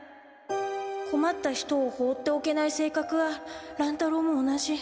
こまった人を放っておけない性格は乱太郎も同じ。